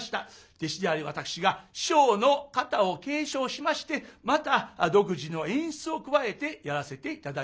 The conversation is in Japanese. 弟子である私が師匠の型を継承しましてまた独自の演出を加えてやらせて頂いております。